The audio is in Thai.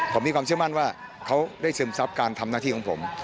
ผมมีความเชื่อมั่นว่าเขาได้ซึมซับการทำหน้าที่ของผม